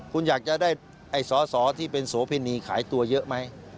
คุณอยากจะได้ไอ้สอสอที่เป็นโสเพณีขายตัวเยอะไหม